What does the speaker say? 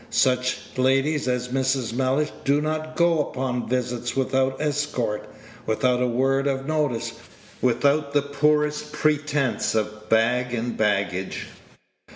Such ladies as Mrs. Mellish do not go upon visits without escort, without a word of notice, without the poorest pretence of bag and baggage.